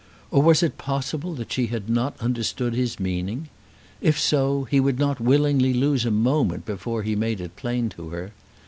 Or was it possible that she had not understood his meaning? If so, he would not willingly lose a moment before he made it plain to her.